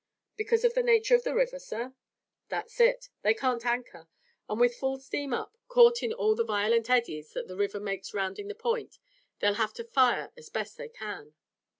"Because of the nature of the river, sir?" "That's it. They can't anchor, and with full steam up, caught in all the violent eddies that the river makes rounding the point, they'll have to fire as best they can."